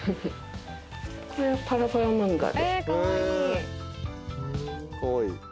これはパラパラ漫画。